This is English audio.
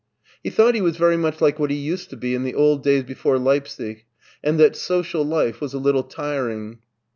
He thought he was very much like what he used to be in the old da3rs before Leipsic, and that social life was a little tiring.